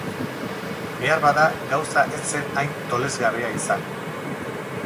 Beharbada gauza ez zen hain tolesgabea izan.